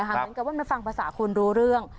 เหมือนกับว่ามันฟังภาษาคนรู้เรื่อง